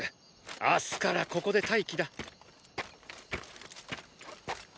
明日からここで待機だ。